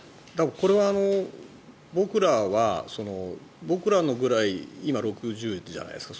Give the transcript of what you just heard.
これは僕らのくらい今、６０じゃないですか